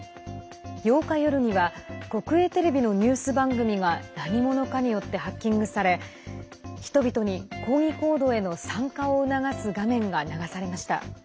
８日夜には国営テレビのニュース番組が何者かによってハッキングされ人々に抗議行動への参加を促す画面が流されました。